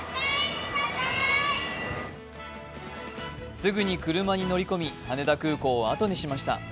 すぐに車に乗り込み、羽田空港をあとにしました。